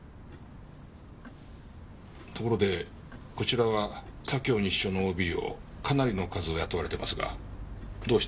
ところでこちらは左京西署のＯＢをかなりの数雇われていますがどうしてまた？